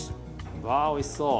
わおいしそう。